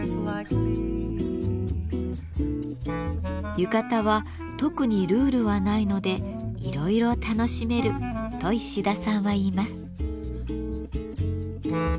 浴衣は特にルールはないのでいろいろ楽しめると石田さんは言います。